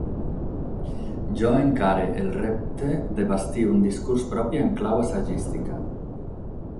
Jo encare el repte de bastir un discurs propi, en clau assagística.